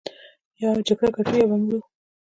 يا به جګړه ګټو يا به مرو.